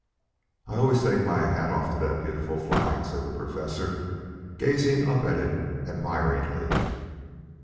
"I always take off my hat to that beautiful flag," said the Professor, gazing up at it admiringly.